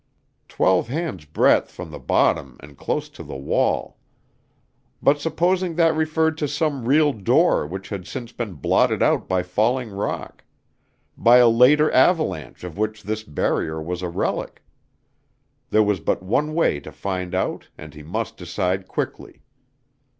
Twelve hands' breadth from the bottom and close to the wall. But supposing that referred to some real door which had since been blotted out by falling rock by a later avalanche of which this barrier was a relic? There was but one way to find out and he must decide quickly.